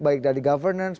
baik dari governance